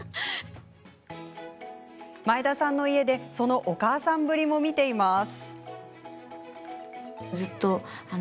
前田さんの家でそのお母さんぶりも見ています。